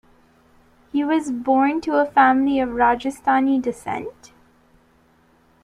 He was born to a family of Rajasthani descent.